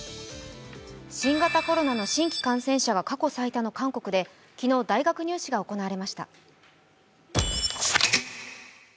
新型コロナの感染者が過去最大の韓国で昨日、大学入試が行われました。